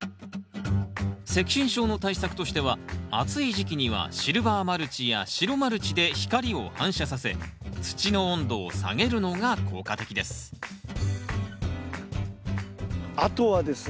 赤芯症の対策としては暑い時期にはシルバーマルチや白マルチで光を反射させ土の温度を下げるのが効果的ですあとはですね